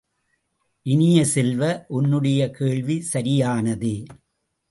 இனிய செல்வ, உன்னுடைய கேள்வி சரியானதே!